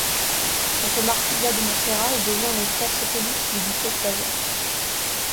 Quant au marquisat de Montferrat, il devient un État satellite du duché de Savoie.